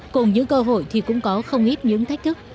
cùng những cơ hội thì cũng có không ít những thách thức